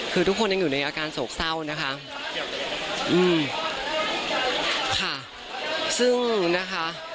คือทุกคนยังอยู่ในอาการโศกเศร้านะคะอืมค่ะซึ่งนะคะ